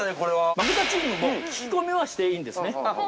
負けたチームも聞き込みはしていいんですね。